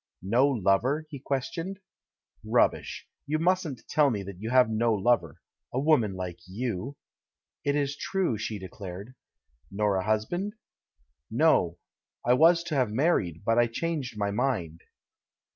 "Xo lover?" he questioned. "Rubbish, you mustn't tell me that you have no lover — a woman like you!" *'It is true," she declared. "Xor a husband?" "Xo ; I was to have married, but I changed my mind."